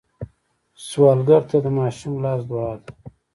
سوالګر ته د ماشوم لاس دعا ده